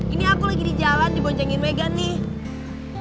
ini aku lagi di jalan diboncingin megan nih